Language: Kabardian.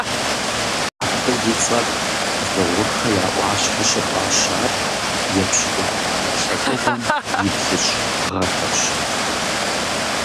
Абы и цӏэр Дзыгъурхэ я ӏуащхьэ щыфӏащар епщыкӏубгъуанэ лӏэщӏыгъуэм и блыщӏ гъэхэрщ.